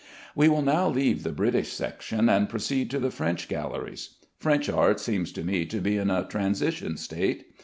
We will now leave the British section, and proceed to the French galleries. French art seems to me to be in a transition state.